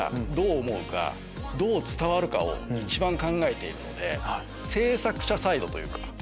どう伝わるかを一番考えているので制作者サイドというか。